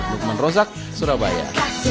nukman rozak surabaya